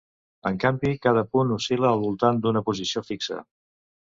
En canvi, cada punt oscil·la al voltant d'una posició fixa.